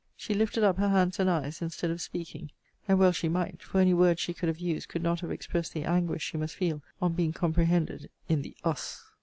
She lifted up her hands and eyes, instead of speaking: and well she might! For any words she could have used could not have expressed the anguish she must feel on being comprehended in the US.